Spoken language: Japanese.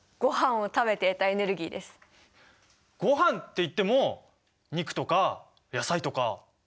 ごはんっていっても肉とか野菜とか。